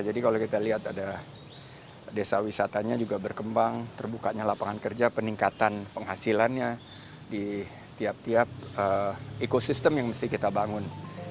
jadi kalau kita lihat ada desa wisatanya juga berkembang terbukanya lapangan kerja peningkatan penghasilannya di tiap tiap ekosistem yang mesti kita bangun